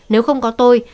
nếu không có tôi